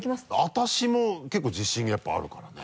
私も結構自信やっぱあるからね。